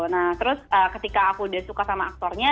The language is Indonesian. nah terus ketika aku udah suka sama aktornya